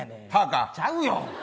ちゃうよ。